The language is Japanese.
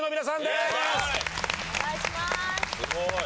すごい。